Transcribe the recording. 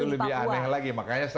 itu lebih aneh lagi makanya saya